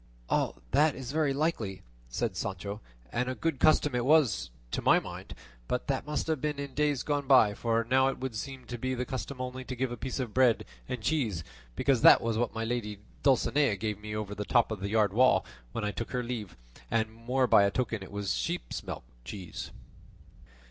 "That is very likely," said Sancho, "and a good custom it was, to my mind; but that must have been in days gone by, for now it would seem to be the custom only to give a piece of bread and cheese; because that was what my lady Dulcinea gave me over the top of the yard wall when I took leave of her; and more by token it was sheep's milk cheese."